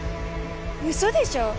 ウソでしょ